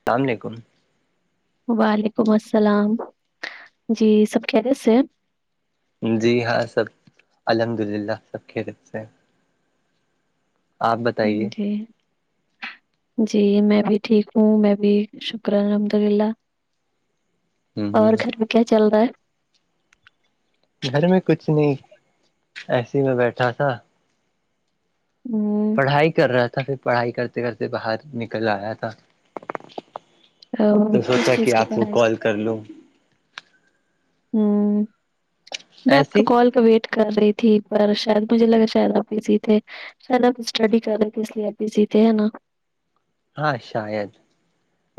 السلام علیکم وعلیکم السلام جی سب کہ رہے تھ جی ہاں سب الحمد للہ سب کھی ر سے ہیں آپ ہاں بتائیے جی جی میں بھی ٹھیک ہوں میں بھی شکرہ الحمد اللہ ہ اور گھر میں کیا چل رہا ہے گھر میں کچھ نہیں ایسے ہی میں بیٹھا تھا ہوں پڑھائی کر رہا تھا پھر پڑھائی کرتے کرتے باہر نکل آیا تھا ا تو کس سوچا چیز کہ کی آپ کو پڑھائی کال کر لوں ہوں میں آپ کا ایسی کال کا ویٹ کر رہی تھی پر شاید مجھے لگا شاید آپ ہیی تھے سل اب اسٹڈی کر رہے تھ اس لیے اب بھی سیتے ہیں نا ہاں شاید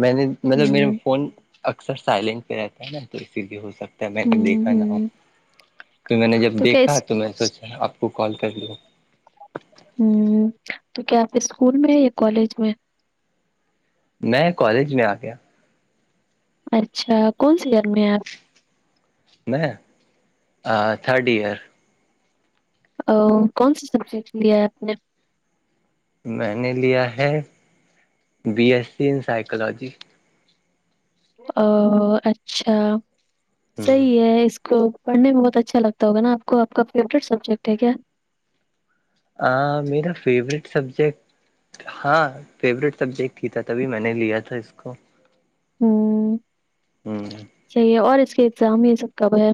میں نے مطلب میرے ہوں فون اکثر سائلنٹ پہ رہتا ہے نا تو اسی لیے ہو سکتا میں ہوں دیکھا نہ ہ ہوں تو میں نے جب کیا دیکھا اس تو میں سوچا آپ کو کال کر لوں ہوں تو کیا آپ اسکول میں یا کالج میں میں کالج میں آ گیا اچھا کون سی گر میں ہیں آپ میں تھرڈ ایئر او کون سا سبجیکٹ لیا ہے آپ نے میں نے لیا ہے B S C in psychology او اچھا صحیح ہے اس کو پڑھنے میں بہت اچھا لگتا ہوگا نا آپ کو آ کا فیوریٹ سبجیکٹ ہے کیا ہاں میرا فیورورٹ سبجیکٹ ہاں فیوریٹ سبجیکٹ ہی تھا تبھی میں نے لیا تھا اس کو ہوں ہوں صحیح اور اس کے ایگزام یہ سب کب ہے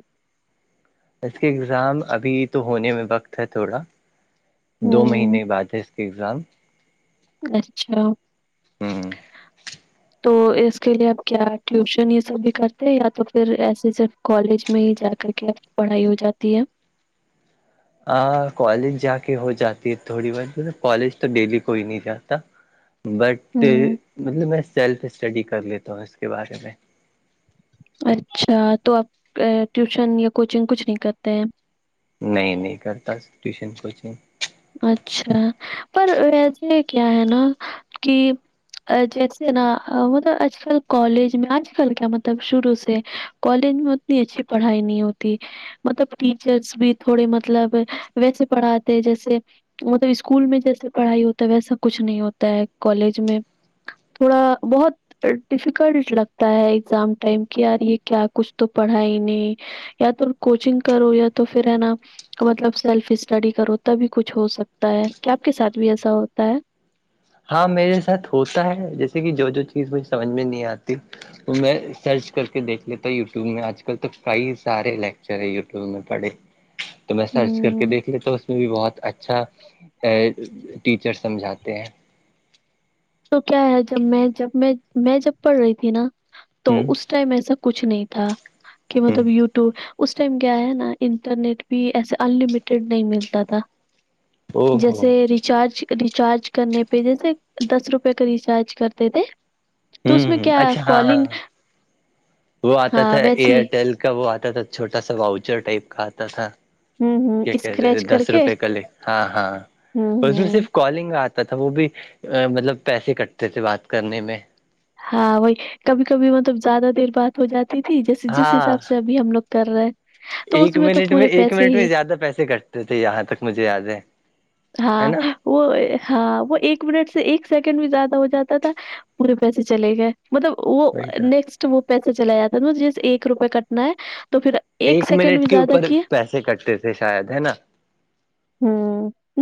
اس کے ایگزام ابھی تو ہونے میں وقت ہے تھوڑا دو ہوں مہینے بعد ہے اگزام اچھا [inaudible] تو اس کے لیے اب کیا ٹیوشن یہ سب بھی کرتے ہیں یا تو پھر ایسے سے کالج میں ہی جا کر کے آپ کی پڑھائی ہو جاتی ہے آ کالج جا کے ہو جاتی ہے تھوڑی بار کالج تو ڈیلی کوئی نہیں جاتا بٹ ہوں مطلب میں سیلف اسٹڈی کر لیتا ہوں اس کے بارے میں اچھا تو آپ ٹیوشن یا کوچنگ کچھ نہیں کرتے ہیں نہیں نہیں کرتا ٹیوشن کوچنگ اچھا پر ویسے کیا ہے نا کہ جیسے نا مطلب آج کل کالج میں آج کل کیا مطلب شروع سے کالج میں اتنی اچھی پڑھائی نہیں ہوتی مطلب ٹیچرس بھی تھوڑے مطلب ویسے پڑھاتے جیسے مطلب اسکول میں جیسے پڑھائی ہوتا ہے ویسا کچھ نہیں ہوتا ہے کالج میں تھوڑا بہت ڈیفیکلٹ لگتا ہے ایگزام ٹائم کی آ رہی ہے کیا کچھ تو پڑھا ہی نہیں یا تو کوچنگ کرو یا تو پھر ہے نا مطلب سیلف اسٹڈی کرو تبھی کچھ ہو سکتا ہے کیا آپ کے ساتھ بھی ایسا ہوتا ہے ہاں میرے ساتھ ہوتا ہے جیسے کہ جو جو چیز مجھے سمجھ میں نہیں آتی وہ میں سرچ کر کے دیکھ لیتا ہوں یوٹیوب میں آج کل تو کئی سارے لیکچر ہیں یوٹیوب میں پڑھے تو میں سرچ کر کے ہوں دیکھ لیتا ہوں اس میں بھی بہت اچھا ا ٹیچر سمجھاتے ہیں تو کیا ہے جب میں جب میں میں جب پڑھ رہی تھی نا تو ہوں اس ٹائم ایسا کچھ نہیں تھا کہ ہ مطلب یوٹیوب اس ٹائم کیا ہے نا انٹرنیٹ بھی ایسے انلمیٹیڈ نہیں ملتا تھا او ہو جیسے ریچارج ریچارج کرنے پہ جیسے دس روپ رپ کا ریسارج کرتے تھے تو ہوں اس میں ہ کیا اچھا ہاں کالنگ وہ آتا تھا ہاں ویسی ایئرٹیل کا وہ آتا تھا چھوٹا سا واؤچر ٹائپ کا آتا تھا ہوں ہوں کیا کہتے اسکریچ تھ کر دس کے روپئے کا لے ہاں ہاں ہوں اس میں ہوں صرف کالنگ آتا تھا وہ بھی مطلب پیسے کٹتے تھے بات کرنے میں ہاں وہی کبھی کبھی مطلب زیادہ دیر بات ہو جاتی تھی جیس جس ہاں حساب سے ابھی ہم لوگ اترے ایک منٹ میں ایک منٹ میں زیادہ پیسے کٹتے تھے یہاں تک مجھے یاد ہے ہے ہاں نا وہ ہاں وہ ایک منٹ سے ایک سیکنڈ بھی زیادہ ہو جاتا تھا پورے پیسے چلے گئے مطلب وہ وہی تو نیکسٹ وہ پیسہ چلا جاتا ہے نا جیس ایک روپئے کٹنا ہے تو پھر ایک سیکنڈ منٹ بھی کے زیادہ اوپر کیے پیسے کٹتے تھے شاید ہے نا ہ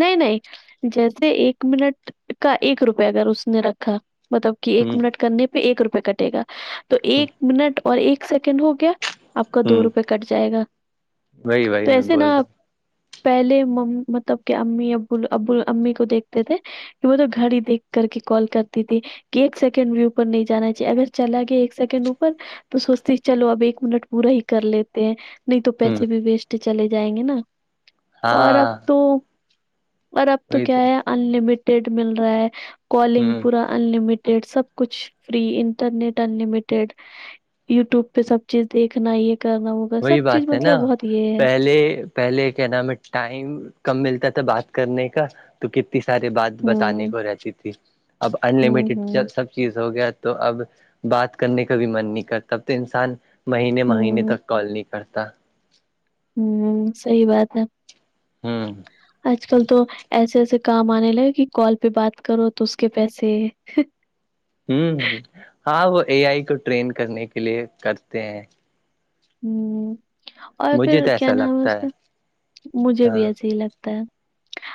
نہیں نہیں جیسے ایک منٹ کا ایک روپئے اگر اس نے رکھ مطلب کہ ہ ایک منٹ کرنے پہ ایک روپئے ک ے گا تو ایک منٹ اور ایک سیکنڈ ہو گیا آپ کا ہ دو روپئے کٹ جائے گا وہی وہی تو میں ایسے بول نا رہا آپ پہلے م مطلب کہ امی اب ابول امی کو دیکھتے تھے کہ وہ تو گاڑی دیکھ کر کے کال کرتی تھی کہ ایک سیکنڈ ویو پر نہیں جانا چاہیے اگر چلا گیا ایک سیکنڈ اوپر تو سوچتے چلو اب ایک منٹ پورا ہی کر لیتے ہیں نہیں تو ہوں ہ پیسے بھی ویسٹ چلے جائیں گے نا اور اب ہاں تو اور اب تو کیا ہے ان لمیٹیڈ مل رہا ہے ہ کالنگ پورا انلمیٹیڈ سب کچھ فری انٹرنیٹ انلمیٹیڈ یوٹیوب پہ سب چیز دیکھنا یہ کرنا وہ وہی بات ہے نا پہلے پہلے کیا نام ہے ٹائم کم ملتا تھا بات کرنے کا تو کتنی ساری بات بتانے ہوں کو رہتی تھی اب ہوں انلمٹیڈ ہوں سب چیز ہو گیا تو اب بات کرنے کا بھی من نہیں کرتا اب تو انسان مہینے مہینے ہوں تک کال نہیں کرتا ہوں سحی بات ہے ہوں آج کل تو ایسے ایسے کام آنے لگے کہ کال پہ بات کرو تو اس کے پیسے ہ ہاں وہ اے آئی کو ٹرین کرنے کے لیے کرتے ہیں ہ اور مجھے پھر تو کیا ایسا نام ہے اس لگتا کا مجھے بھی ہاں ایحح لگتا ہے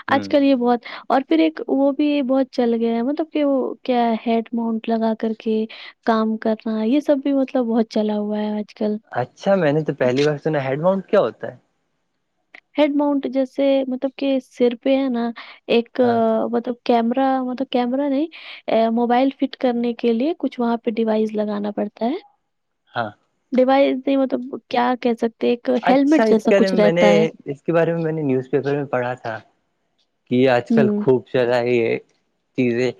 ہ آج کل یہ بہت اور پھر ایک وہ بھی بہت چل گیا ہے مطلب کہ وہ کیا ہیڈ مانٹ لگا کر کے کام کرنا یہ سب بھی مطلب بہت چلا ہوا ہے آج کل اچھا میں نے تو پہلی بار سنا ہیڈ ماؤنٹ کیا ہوتا ہے ہیڈ ماؤنٹ جیسے مطلب کہ سر پہ ہے نا ایک ہاں مطلب کیمرا مطلب کیمرا نہیں ا موبائل فٹ کرنے کے لیے کچھ وہاں پہ ڈیوائس لگانا پڑتا ہے ہاں ڈیوائس نہیں مطلب کیا کہ سکتے ہیں ایک اچھا ہیللمٹ اس جیسا بارے کچھ میں میں رہتا نے ہے اس کے بارے میں میں نے نیوز پیپر میں پڑھا تھا یہ آج کل ہوں خوب چرائی ہے چیزیں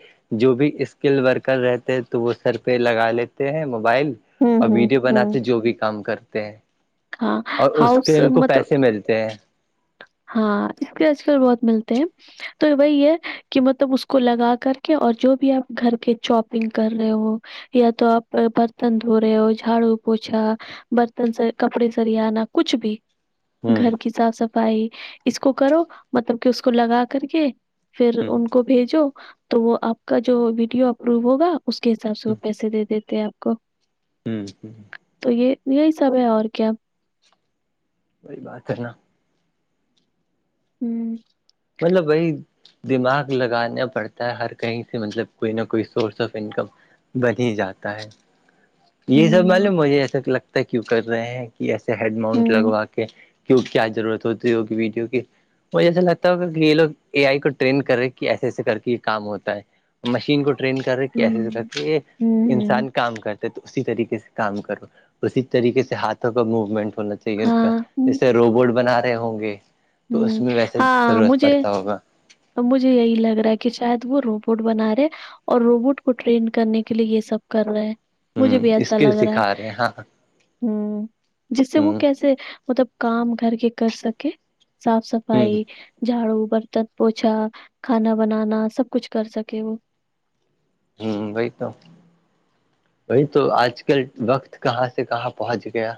جو بھی اسکل ورکر رہتے ہیں تو وہ سر پہ لگا لیتے ہیں موبائل ہوں اور ہوں ویڈیو ہوں بناتے جو بھی کام کرتے ہیں ہاں اور اس کے ہؤس ان کو ملب پیسے ملتے ہیں ہاں اس آج کل بہت ملتے ہیں تو وہی ہے کہ مطلب اس کو لگا کر کے اور جو بھی آپ گھر کے شاپنگ کر رہے ہو یا تو آپ برتن دھو رہے ہو جھاڑو پوچھا برتن سے کپڑے سریاانہ کچھ بھی ہ گھر کی صاف صف بھائی اس کو کرو مطلب کہ اس کو لگا کر کے پھر ہ ان کو بھیجو تو وہ آپ کا جو ویڈیو اپرو ہوگا اس کے حساب سے وہ پیسے دے دیتے ہیں آپ کو ہوں ہوں تو یہ یہی سب ہے اور کیا وہی بات کرنا ہوں مطلب بائی دماغ لگانا پڑتا ہے ہر کہیں سے مطلب کوئی نہ کوئی سورس آف انکم بنی جاتا ہے یہ سب ہوں، ملب مجھے ایسا لگتا ہے کیوں کر رہے ہیں کہ ایسے ہیڈ ماؤنٹ ہوں لگوا کے کی کیا ضرورت ہوتی ہے ہوگی ویڈیو کی وہ جیسا لگ ہوگا کہ یہ لو اے آئی کو ٹرین کر رہے کہ ایسے ایسے کر کے یہ کام ہوتا ہے مشین کو ٹرین کر ہوں، رہےسے ہوں، ہوں۔ انسان کام کر تو اسی طریقے سے کام کرو اسی طریقے سے ہاتھوں کا موومنٹ ہونا چاہیے ہاں، ہوں۔ اس کا روبوٹ بنا رہے ہوں گے تو اس میں ویسے ہاں ہاں ضرورت مجھے پڑتا ہوگا ا مجھے یہی لگ رہا ہے کہ شاید وہ روبوٹ بنا رہے اور روبوٹ کو ٹرین کرنے کے لیے یہ سب کر رہے ہیں مجھے ہوں بھی ایسا اسکل لگ رہا ہے سکھا رہے ہیں ہاں ہ جس سے وہ ہوں کیسے مطلب کام گھر کے کر سکے صاف ہوں صفائی جھاڑو برتن پوچھا کھانا بنانا سب کچھ کر سکے وہ وہی تو وہی تو آج کل وقت کہاں سے کہاں پہنچ گیا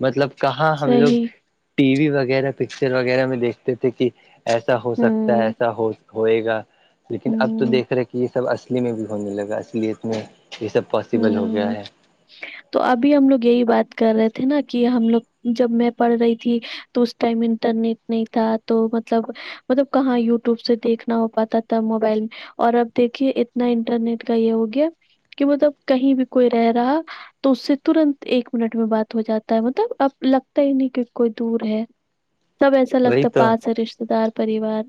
مطلب کہاں ہم لوگ صحیح ٹی وی وغیرہ پکچر وغیرہ میں دیکھتے تھے کہ ایسا ہو سکتا ہے ہوں ایسا ہو ہوئے گا لیکن اب تو ہوں دیکھ رہے کہ یہ سب پچلی میں بھی ہونے لگا اس لیے اس میں یہ سب پاسیبل ہو ہوں گیا ہے تو ابھی ہم لوگ یہی بات کر رہے تھے نا کہ ہم لوگ جب میں پڑھ رہی تھی تو اس ٹائم انٹرنیٹ نہیں تھا تو مطلب مطلب کہاں یوٹیوب سے دیکھنا ہو پاتا تھا موبائل اور اب دیکھیے اتنا انٹرنیٹ کا یہ ہو گیا کہ مطلب کہیں بھی کوئی رہ رہا تو اس سے تورنت ایک منٹ میں بات ہو جاتا ہے مطلب اب لگتا ہی نہیں کہ کوئی دور ہے سب ایسا لگتا وہی ہے تو پاس ہے رشتےدار پریوار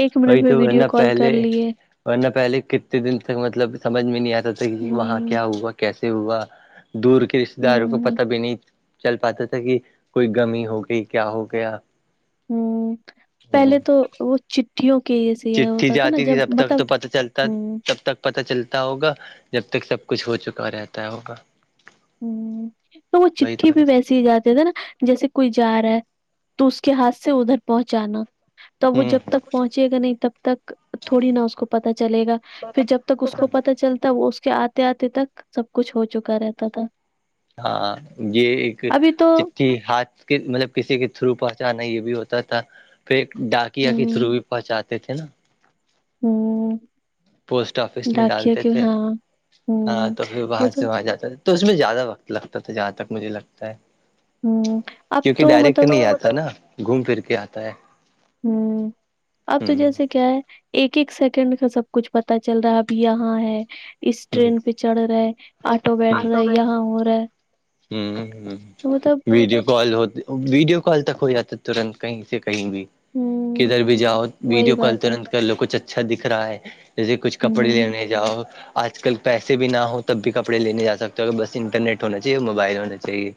ایک منٹ وہی میں تو ورنہ ویڈیو کال کر پہلے لیے ورنہ پہلے کتنے دن تک مطلب سمجھ میں نہیں آتا تھا کہ وہاں ہوں کیا ہوا کیسے ہوا دور کے رشتے داروں کو ہوں پتا بھی نہیں چل پاتا تھا کہ کوئی گمی ہو گئی کیا ہو گیا ہوں ہ پہلے تو وہ چٹٹیھیوں کے جیسے یہ چٹھی ہوتا تھا نا جاتی جب مطلب ہوں پتا چلتا ہوگا جب تک سب کچھ ہو چکا رہتا ہوگا ہو تو وہ چٹھی بھی ویسیے ہی جاتے تھے نا جیسے کوئی جا رہا ہے تو اس کے ہاتھ سے ادھر پہنچانا تب وہ ہوں جب ہ تک پہنچے گا نہیں تب تک تھوڑی نا اس کو پتہ چلے گا پھر جب تک اس کو پتا چلتا وہ اس کے آتے آتے تک سب کچھ ہو چکا رہتا تھا ہاں یہ ایک ابھی تو چ ٹھی ہاتھ کے مطلب کسی کے تھرو پہنچانا یہ بھی ہوتا تھا پھر ڈاکیا کے تھرو ہوں بھی پہنچاتے تھے نا ہوں پوسٹ آفس میں ڈاکیا ڈالتے کی تھے ہاں ہاں ہوں تو پھر وہ وہاں تو سے وہاں جاتا تھا تو اس میں زیادہ وقت لگتا تھا جہاں تک مجھے لگتا ہے ہوں اب کیونکہ تو ڈائریکٹ مطلب نہیں آتا تھا نا گھوم پھر کے آتا ہے ہوں اب تو ہ جیسے کیا ہے ایک ایک سیکنڈ کا سب کچھ پتا چل رہا اب یہاں ہے اس ٹرین پہ چڑھ رہے آٹو بیٹھ رہے ہے یہاں ہو رہا ہے ہو ہو ہو تو مطلب ویڈیو کال ہوتے ویڈیو کال تک ہو جاتا ہے تورنت کہیں سے کہیں بھی ہوں کدھر بھی جاؤ وہی ویڈیو کال بات ہے تورنت کر لو کچھ اچھا دکھ رہا ہے جیسے کچھ کپڑے ہوں لینے جاؤ آج کل پیسے بھی نہ ہو تب بھی کپڑے لینے جا سکتے ہو اور بس انٹرنیٹ ہونا چاہیے موبائل ہونا چاہیے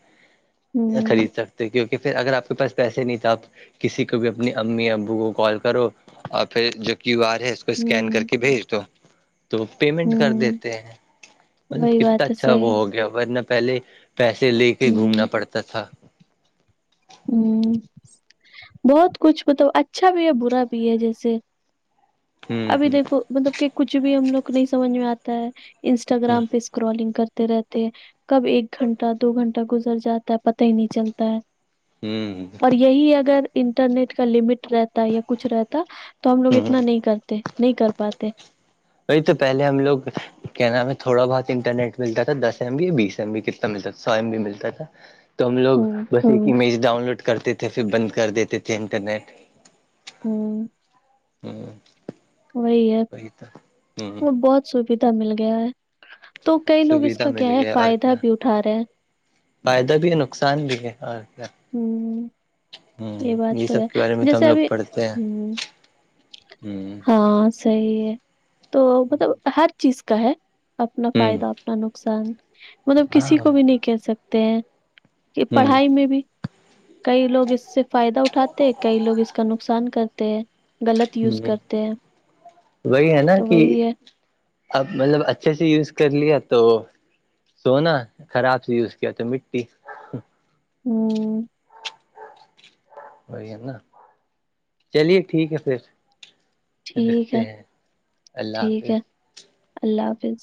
ہوں خرید سکتے کیونکہ پھر اگر آپ کے پاس پیسے نہیں تو آپ کسی کو بھی اپنی امی ابو کو کال کرو اور پھر جو کیو آر ہے اسکین کر ہوں کے بھیج دو تو پیمنٹ کر ہوں دیتے ہیں مطلب وہی کتنا بات ہے اچھا وہ صحیح ہو گیا اتنا پہلے پیسے لے کے گھومنا ہوں پڑتا تھا ہوں بہت کچھ مطلب اچھا بھی ہے برا بھی ہے جیسے ہوں ابھی دیکھو مطلب کہ کچھ بھی ہم لوگ کو نہیں سمجھ میں آتا ہے ہ ہ انسٹاگرام پہ کرالنگ کرتے رہتے کب ایک گھنٹہ دو گھنٹہ گزر جاتا ہے پت ہی نہیں چلتا ہے ہوں اور یہی اگر انٹرنیٹ کا لمٹ رہتا ہے یا کچھ رہتا تو ہم لوگ ہ اتنا نہیں کرتے نہیں کر پاتے وہی تو پہلے ہم لوگ کیا نام ہے تھوڑا بہت انٹرنیٹ ملتا تھا دس ایم بی یا بیس ایم بی کتنا ملتا تھا سو ایم بی ملتا تھا [inaudible] تو ہم لوگ ہوں بس ایک امیج ڈاؤن لوڈ کرتے تھے پھر بند کر دیتے تھے انٹرنیٹ ہوں ہوں وہی ہے ہ وہ بہت سبھی دھا مل گیا ہے تو کئی لوگ اس سویدھا کا مل کیا ہے گیا اور فائدہ کیا بھی اٹھا رہے ہیں فائدہ بھی ہے نقصان بھی ہے اور کیا ہوں ہوں یہ بات تو سب ہے کے بارے میں تو ہم جیسے لوگ ابھی پڑھتے ہیں ہ ہوں ہاں صحیح ہے تو مطلب ہر چیز کا ہے اپنا ہوں فائدہ نا نقصان مطلب ہاں کسی ہوں کو بھی نہیں کہ سکتے ہیں کہ پڑھائی میں بھی کئی لوگ اس سے فائدہ اٹھاتے ہیں کئی لوگ اس کا نقصان کرتے ہیں غلط یوز ہوں کرتے ہیں وہی ہے نا تو کہ وہی ہے اب مطلب اچھے سے یوز کر لیا تو سونا خراب سےی یوز کیا تو مٹی ہوں وہی ہے نا چلیے ٹھیک ہے پھر ٹھیک رکھتے ہے ہیں اللہ ٹھیک ہے حافظ اللہ حافظ